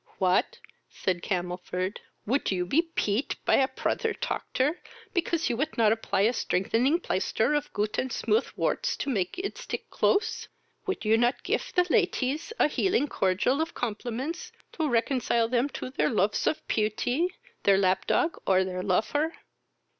"What! (said Camelford,) would you be peat py a prother toctor, because you would not apply a strengthening plaister of goot and smooth worts to make it stick close? would you not gif the laties a healing cordial of compliments ro reconcile them to their lofs of peauty, their lap dog, or their lofer?